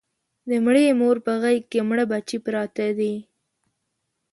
د مړې مور په غېږ کې مړه بچي پراته دي